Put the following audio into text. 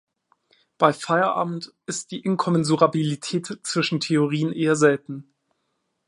Bei Feyerabend ist die Inkommensurabilität zwischen Theorien eher selten.